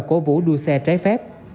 cổ vũ đua xe trái phép